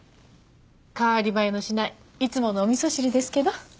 変わり映えのしないいつものおみそ汁ですけど。